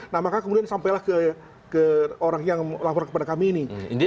nah maka kemudian sampailah ke orang yang lapor kepada kami ini